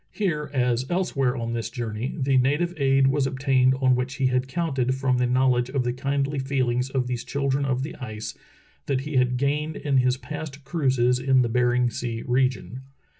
Here, as elsewhere on this jour ney, the native aid was obtained on which he had counted from the knowledge of the kindly feelings of these children of the ice that he had gained in his past cruises in the Bering Sea region.